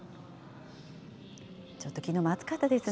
ちょっときのうも暑かったですね。